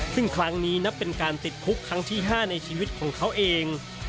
ซึ่งครั้งนี้นับเป็นการติดคุกครั้งที่๕ในชีวิตของเขาเอง